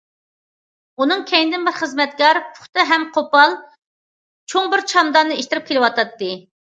ئۇنىڭ كەينىدىن بىر خىزمەتكار پۇختا ھەم قوپال چوڭ بىر چاماداننى ئىتتىرىپ كېلىۋاتاتتى.